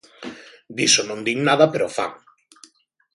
Diso non din nada, pero fan.